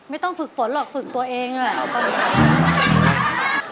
ไม่ต้องฝึกฝนหรอกฝึกตัวเองด้วย